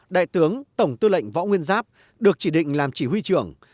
đại tướng tổng tư lệnh võ nguyên giáp được chỉ định làm chỉ huy trưởng